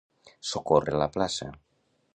Socórrer la plaça.